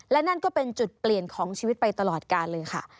และนั่นก็เป็นจุดเปลี่ยนของชีวิตไปตลอดการเลยค่ะ